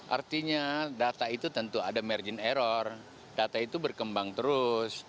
artinya data itu tentu ada margin error data itu berkembang terus